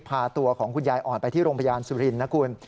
พาตัวของคุณยายอ่อนไปที่โรงพยาบาลสุรินทร์นะคุณ